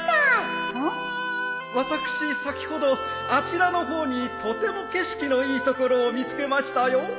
私先ほどあちらの方にとても景色のいい所を見つけましたよ。